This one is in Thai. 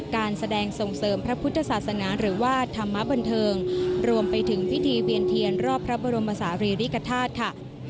การแสดงส่งเสริมพระพุทธศาสนาหรือว่าธรรมบันเทิงรวมไปถึงพิธีเวียนเทียนรอบพระบรมศาลีริกฐาตุค่ะ